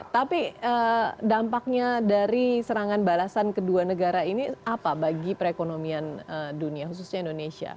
tapi dampaknya dari serangan balasan kedua negara ini apa bagi perekonomian dunia khususnya indonesia